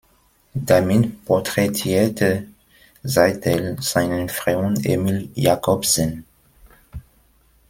Damit porträtierte Seidel seinen Freund Emil Jacobsen.